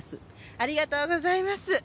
ありがとうございます。